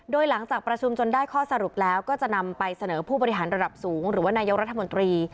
โดยหลังจากประชุมจนได้ข้อสรุปแล้วก็จะนำไปเสนอผู้บริหารระดับสูงหรือว่านายกรัฐมนตรี